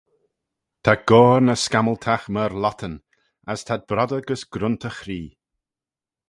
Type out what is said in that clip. Ta goan y scammyltagh myr lhottyn, as t'ad broddey gys grunt y chree.